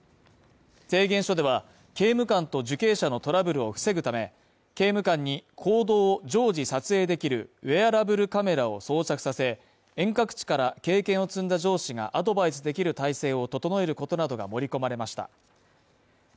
提言書では、刑務官と受刑者のトラブルを防ぐため、刑務官に行動を常時、撮影できるウェアラブルカメラを装着させ、遠隔地から経験を積んだ上司がアドバイスできる体制を整えることなどが盛り込まれました。